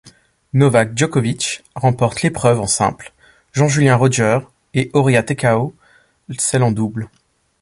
Novak Djokovic remporte l'épreuve en simple, Jean-Julien Rojer et Horia Tecău celle en double.